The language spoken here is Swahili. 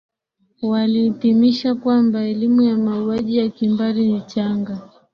walihitimisha kwamba elimu ya mauaji ya kimbari ni changa